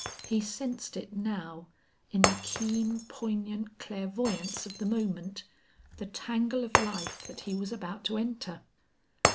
He sensed it now, in the keen, poignant clairvoyance of the moment the tangle of life that he was about to enter.